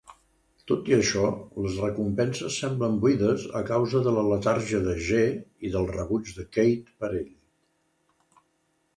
Tot i això, les recompenses semblen buides a causa de la letargia de G i del rebuig de Kate per ell.